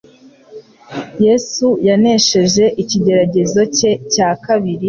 Yesu yanesheje ikigeragezo cye cya kabiri: